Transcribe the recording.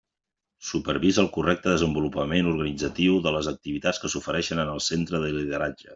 Supervisa el correcte desenvolupament organitzatiu de les activitats que s'ofereixen en el Centre de Lideratge.